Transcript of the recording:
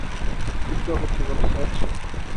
একটু অপেক্ষা কর, সার্জ!